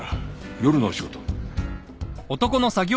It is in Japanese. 夜のお仕事？